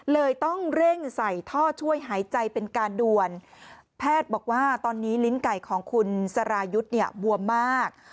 เลยต้องเร่งใส่ท่อช่วยหายใจเป็นการด่วนแพทย์บอกว่าตอนนี้ลิ้นไก่ของคุณสรายุทธ์เนี่ยบวมมาก